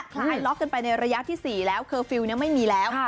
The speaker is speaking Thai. คล้ายล็อกกันไปในระยะที่สี่แล้วเนี่ยไม่มีแล้วค่ะ